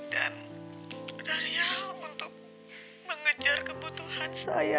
dan dari hal untuk mengejar kebutuhan saya